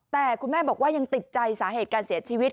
แต่คุณแม่บอกว่ายังติดใจสาเหตุการเสียชีวิต